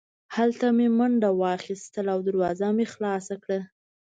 هلته مې منډه واخیسته او دروازه مې خلاصه کړه